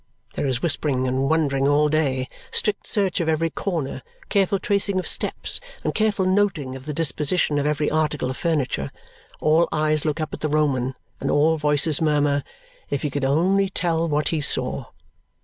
There is whispering and wondering all day, strict search of every corner, careful tracing of steps, and careful noting of the disposition of every article of furniture. All eyes look up at the Roman, and all voices murmur, "If he could only tell what he saw!"